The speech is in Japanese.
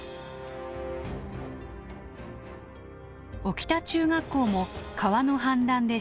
小北中学校も川の氾濫で浸水。